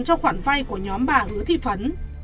cho khoản vay của nhóm bà hứa thị phấn